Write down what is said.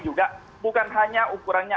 juga bukan hanya ukurannya